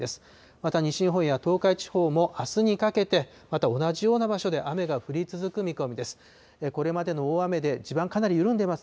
また西日本や東海地方も、あすにかけて、また同じような場所で雨が降り続く見込みです。